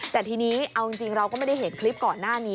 แต่ทีนี้เอาจริงเราก็ไม่ได้เห็นคลิปก่อนหน้านี้